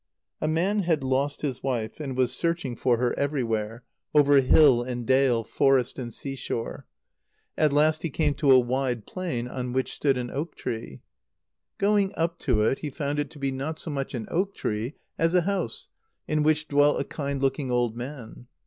_ A man had lost his wife, and was searching for her everywhere, over hill and dale, forest and sea shore. At last he came to a wide plain, on which stood an oak tree. Going up to it he found it to be not so much an oak tree as a house, in which dwelt a kind looking old man.